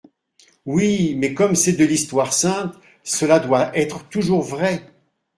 Oui, mais comme c'est de l'histoire sainte, cela doit être toujours vrai.